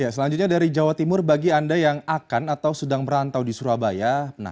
selanjutnya dari jawa timur bagi anda yang akan atau sedang merantau di surabaya